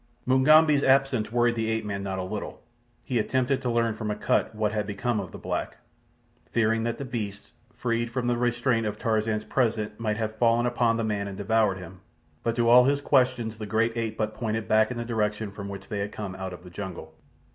Mugambi's absence worried the ape man not a little. He attempted to learn from Akut what had become of the black, fearing that the beasts, freed from the restraint of Tarzan's presence, might have fallen upon the man and devoured him; but to all his questions the great ape but pointed back in the direction from which they had come out of the jungle.